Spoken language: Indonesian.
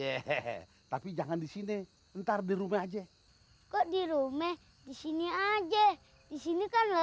hehehe tapi jangan disini ntar di rumah aja kok di rumah disini aja di sini kan lega